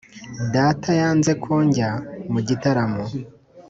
data yanze ko njya mu gitaramo.